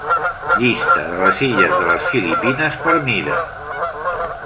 Llista de les illes de les Filipines per mida.